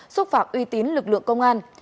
xúc phạm uy tín lực lượng công an